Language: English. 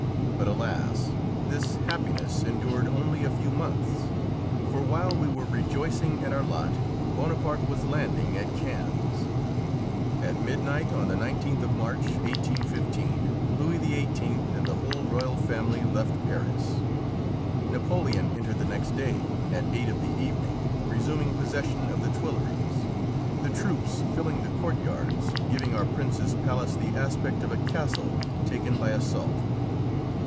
But, alas! This happiness endured only a few months, for, while we were rejoicing at our lot, Bonaparte was landing at Cannes. At midnight, on the 19th of March, 1815, Louis XVIII. and the whole royal family left Paris. Napoleon entered the next day, at eight of the evening, resuming possession of the Tuileries, the troops filling the courtyards, giving our Princes' palace the aspect of a castle taken by assault.